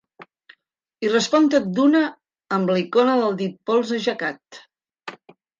I respon tot d'una amb la icona del dit polze aixecat.